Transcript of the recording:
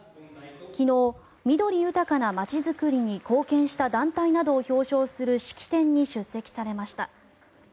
昨日、緑豊かなまちづくりに貢献した団体などを表彰する式典に出席されました。